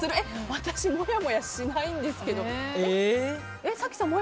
私、もやもやしないんですけど。